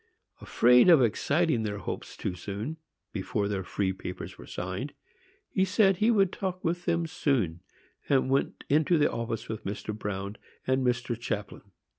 Afraid of exciting their hopes too soon, before their free papers were signed, he said he would talk with them soon, and went into the office with Mr. Bruin and Mr. Chaplin.